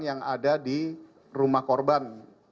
yang ada di rumah korban